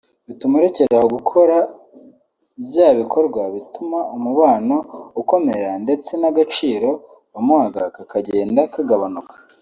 bituma urekeraho gukora bya bikorwa bituma umubano ukomera ndetse n’agaciro wamuhaga kakagenda kagabanuka